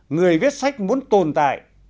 người viết sách muốn tồn tại